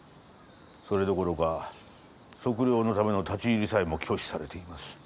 それどころか測量のための立ち入りさえも拒否されています。